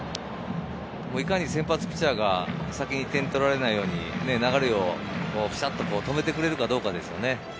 いかに先発ピッチャーが先に点を取られないように流れを止めてくれるかどうかですよね。